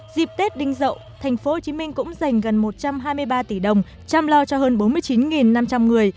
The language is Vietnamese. dịp tết đinh dậu thành phố hồ chí minh cũng dành gần một trăm hai mươi ba tỷ đồng chăm lo cho hơn bốn mươi chín năm trăm linh người